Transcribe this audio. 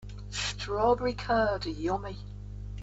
Strawberry curd, yummy!